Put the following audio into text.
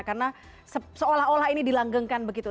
karena seolah olah ini dilanggengkan begitu